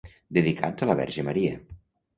Dedicats a la Verge Maria.